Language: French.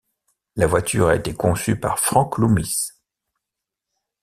La voiture a été conçue par Frank Loomis.